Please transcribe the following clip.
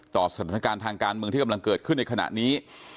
ต่อสถานการณ์ทางการเมืองที่กำลังเกิดขึ้นในขณะนี้